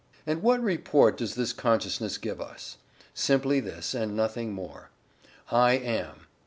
And what report does this consciousness give us? Simply this, and nothing more: "I AM."